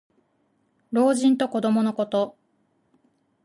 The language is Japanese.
老人と子どものこと。